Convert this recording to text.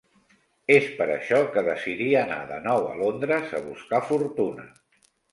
És per això, que decidí anar de nou a Londres a buscar fortuna.